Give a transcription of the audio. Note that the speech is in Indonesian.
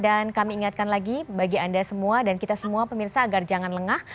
dan kami ingatkan lagi bagi anda semua dan kita semua pemirsa agar jangan lengah